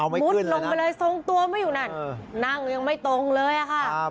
มุดลงไปเลยทรงตัวไม่อยู่นั่นนั่งยังไม่ตรงเลยอะค่ะ